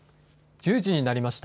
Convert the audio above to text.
１０時になりました。